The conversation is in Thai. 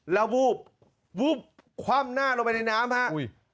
แล้ววูบคว่ำหน้าลงไปในน้ำ